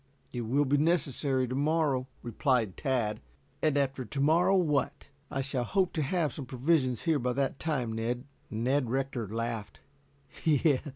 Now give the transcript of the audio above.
"It will be necessary to morrow," replied Tad. "And after to morrow what?" "I shall hope to have some provisions here by that time, Ned." Ned Rector laughed.